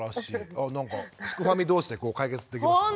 あなんかすくファミ同士で解決できましたね。